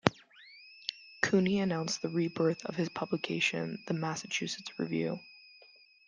Cooney announced the rebirth of his publication in "The Massachusetts Review".